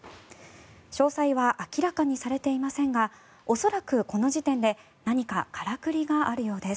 詳細は明らかにされていませんが恐らくこの時点で何かからくりがあるようです。